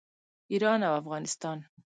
ایران او افغانستان.